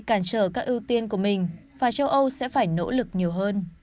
cản trở các ưu tiên của mình và châu âu sẽ phải nỗ lực nhiều hơn